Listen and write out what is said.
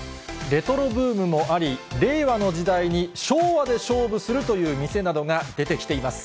レトロブームもあり、令和の時代に昭和で勝負するという店などが出てきています。